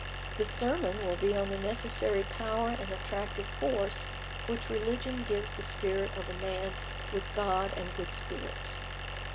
2. The sermon will be on the necessary power and attractive force which religion gives the spirit of a man with God and good spirits.